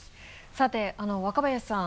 さて若林さん。